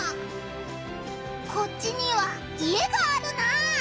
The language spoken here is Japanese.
こっちには家があるなあ。